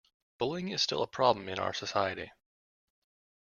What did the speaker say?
Bullying is still a problem in our society.